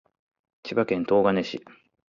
千葉県東金市